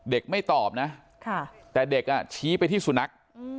ไม่ตอบนะแต่เด็กชี้ไปที่สุนัข